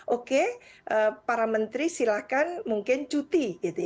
oke para menteri silahkan mungkin cuti